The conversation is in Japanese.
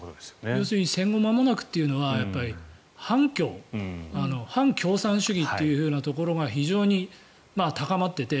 要するに戦後まもなくというのは反共反共産主義というところが非常に高まっていて。